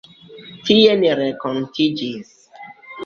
Tie ni renkontiĝis.